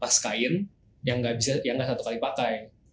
plas kain yang gak satu kali pakai